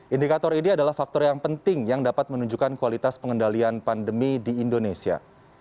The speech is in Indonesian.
indikator ini adalah faktor yang penting yang dapat menunjukkan kualitas pengendalian pandemi di indonesia